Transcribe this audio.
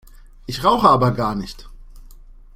Ich rauche aber gar nicht!